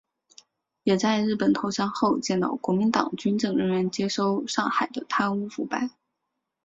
也在日本投降后见到国民党军政人员接收上海的贪污腐败。